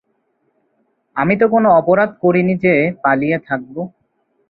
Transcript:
আমি তো কোনো অপরাধ করি নি যে পালিয়ে থাকব।